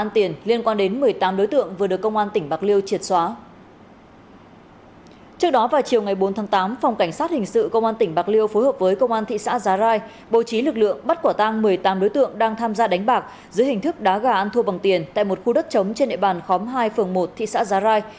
trước đó vào chiều ngày bốn tháng tám phòng cảnh sát hình sự công an tỉnh bạc liêu phối hợp với công an thị xã giá rai bố trí lực lượng bắt quả tang một mươi tám đối tượng đang tham gia đánh bạc dưới hình thức đá gà ăn thua bằng tiền tại một khu đất trống trên địa bàn khóm hai phường một thị xã giá rai